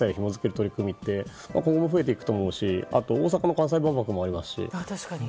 取り組みって今後、増えていくと思うし大阪の関西万博もありますし。